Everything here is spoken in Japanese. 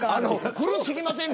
古過ぎませんか